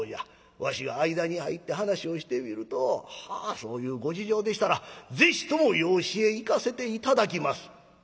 わしが間に入って話をしてみると『はあそういうご事情でしたらぜひとも養子へ行かせて頂きます』。